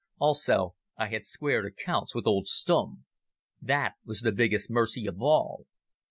Also I had squared accounts with old Stumm. That was the biggest mercy of all.